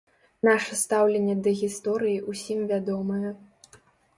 Наша стаўленне да гісторыі ўсім вядомае.